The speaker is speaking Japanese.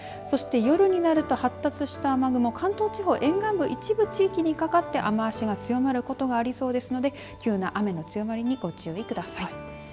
そして、夜になると発達した雨雲関東地方沿岸部一部地域にかかって雨足が強まることがありそうですので急な雨の強まりにご注意ください。